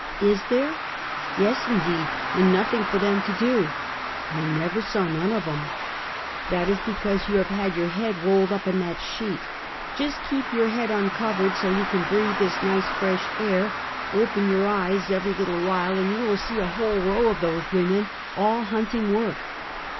"Is there?" "Yes, indeed; and nothing for them to do!" " I never saw none uv 'em! "" That is because you have had your head rolled up in that sheet. Just keep your head uncovered, so you can breathe this nice, fresh air; open your eyes every Cost of Oedee. 27T little while, and you will see a whole row of those wo men, all hunting work!